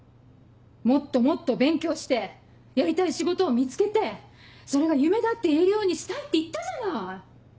「もっともっと勉強してやりたい仕事を見つけてそれが夢だって言えるようにしたい」って言ったじゃない！